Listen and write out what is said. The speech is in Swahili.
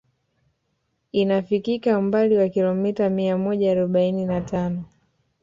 Inafikika umbali wa kilomita mia moja arobaini na tano